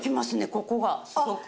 ここがすごく。